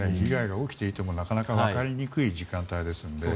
起きていても、なかなか分かりにくい時間帯ですので。